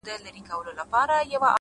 پوهه د امکاناتو افق پراخوي’